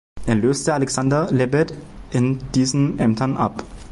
Er löste Alexander Lebed in diesen Ämtern ab.